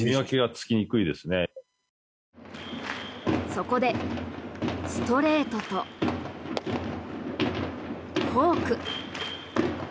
そこでストレートとフォーク。